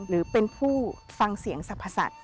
หรือเป็นผู้ฟังเสียงสรรพสัตว